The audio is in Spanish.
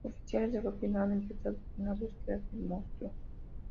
Oficiales del gobierno han empezado una búsqueda del monstruo.